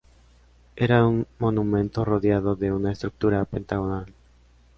Era un monumento rodeado de una estructura pentagonal.